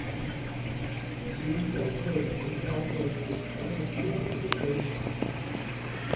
其表妹彭佳慧为台湾著名女歌手。